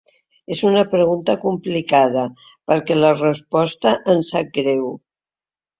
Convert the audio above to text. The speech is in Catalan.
És una pregunta complicada, perquè la resposta em sap greu.